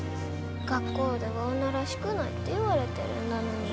学校では女らしくないって言われてるんだのに。